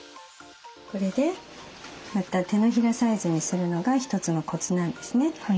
これでまた手のひらサイズにするのが一つのコツなんですね。